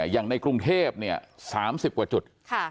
อย่างในกรุงเทพฯสามสิบกว่าจุด